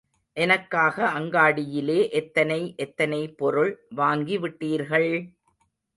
எனக்காக அங்காடியிலே எத்தனை எத்தனை பொருள் வாங்கி விட்டீர்கள்!